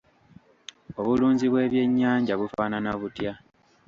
Obulunzi bw'ebyenyanja bufaanana butya?